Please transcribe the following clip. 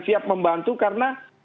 siap membantu karena